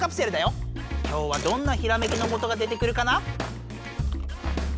今日はどんなひらめきのもとが出てくるかな？